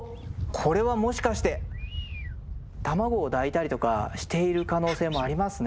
これはもしかして卵を抱いたりとかしている可能性もありますね。